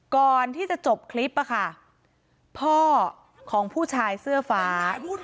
ก่อนที่จะจบคลิปอะค่ะพ่อของผู้ชายเสื้อฟ้า